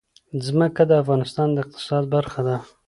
ځمکه د افغانستان د اقتصاد برخه ده.